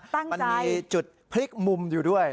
ตั้งใจมันมีจุดพลิกมุมอยู่ด้วย